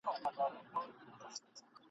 ملیاره ړوند یې که په پښو شل یې !.